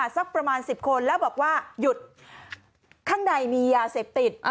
สักประมาณ๑๐คนแล้วบอกว่าหยุดข้างในมียาเสพติด